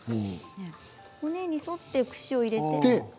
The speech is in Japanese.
骨に沿って、くしを入れて。